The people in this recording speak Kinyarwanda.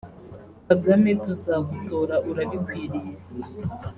Kagame tuzagutora urabikwiriye